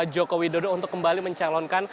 joko widodo untuk kembali mencalonkan